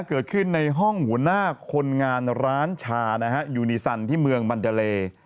เกิดขึ้นในห้องหัวหน้าคนงานร้านชานะฮะยูนีสันที่เมืองมันดาเล